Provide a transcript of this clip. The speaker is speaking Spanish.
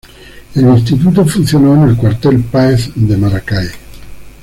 El Instituto funcionó en el Cuartel Páez de Maracay.